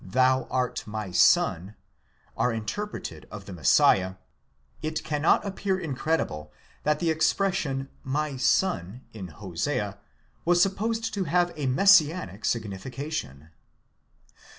(thou art my son) are ,interpreted of the Messiah, it cannot appear incredible that the expression '33? (my son) in Hosea was supposed to have a messianic signifi cation.